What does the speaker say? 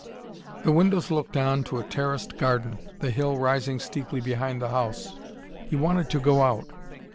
The windows looked on to a terraced garden, the hill rising steeply behind the house. He wanted to go out.